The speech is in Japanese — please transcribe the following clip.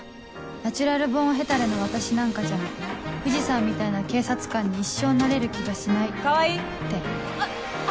ナチュラルボーンヘタレの私なんかじゃ藤さんみたいな警察官に一生なれる気がしないって川合！